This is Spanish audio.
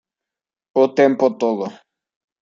O tempo todo"".